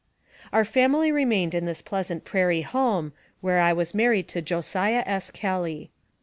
Our family remained in this pleasant prairie home, where I was married to Josiah S. Kelly.